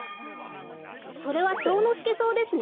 それはチョウノスケソウですね。